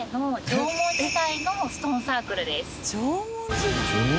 縄文時代。